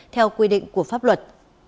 theo quy định của pháp luật